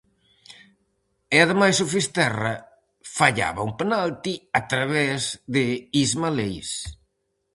E ademais o Fisterra fallaba un penalti a través de Isma Leis.